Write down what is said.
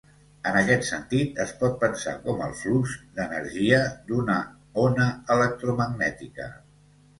En aquest sentit es pot pensar com el flux d'energia d'una ona electromagnètica.